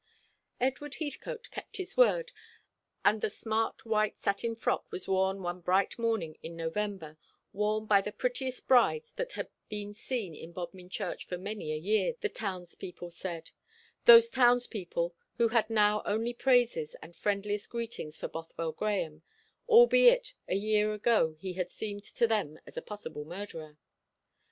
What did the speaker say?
Edward Heathcote kept his word, and the smart white satin frock was worn one bright morning in November, worn by the prettiest bride that had been seen in Bodmin Church for many a year, the townspeople said those townspeople who had now only praises and friendliest greetings for Bothwell Grahame, albeit a year ago he had seemed to them as a possible murderer.